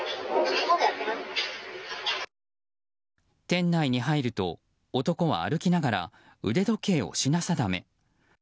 店内に入ると男は歩きながら腕時計を品定め。